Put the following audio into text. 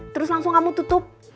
terus langsung kamu tutup